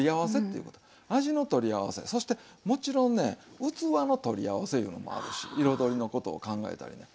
味の取り合わせそしてもちろんね器の取り合わせいうのもあるし彩りのことを考えたりね。